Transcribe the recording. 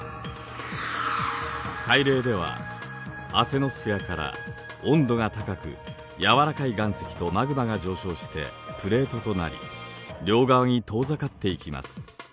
海嶺ではアセノスフェアから温度が高く軟らかい岩石とマグマが上昇してプレートとなり両側に遠ざかっていきます。